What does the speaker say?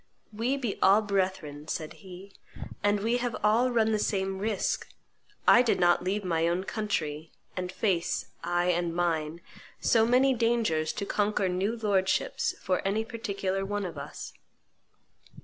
"We be all brethren," said he, "and we have all run the same risk; I did not leave my own country, and face, I and mine, so many dangers to conquer new lord ships for any particular one of us."